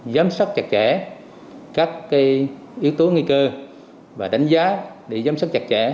giám sát chặt chẽ các yếu tố nguy cơ và đánh giá để giám sát chặt chẽ